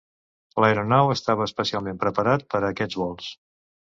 L'aeronau estava especialment preparat per a aquests vols.